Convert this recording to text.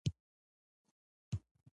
د انګور دانه غوړي د څه لپاره وکاروم؟